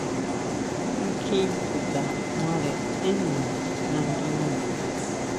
Kjín chuta mare énn nima nanguina.